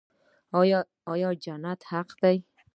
آیا جنت حق دی؟